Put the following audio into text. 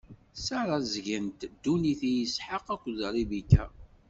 Ssareẓgent ddunit i Isḥaq akked Ribika.